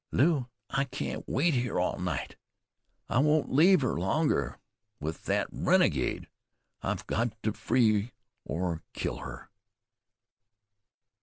"Lew, I can't wait here all night. I won't leave her longer with that renegade. I've got to free or kill her."